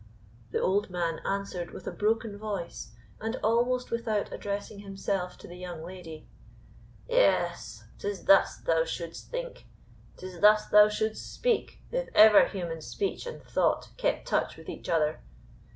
The old man answered with a broken voice, and almost without addressing himself to the young lady, "Yes, 'tis thus thou shouldst think 'tis thus thou shouldst speak, if ever human speech and thought kept touch with each other!